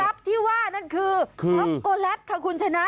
ที่ว่านั่นคือช็อกโกแลตค่ะคุณชนะ